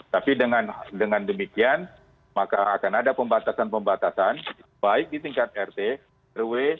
tapi dengan demikian maka akan ada pembatasan pembatasan baik di tingkat rt rw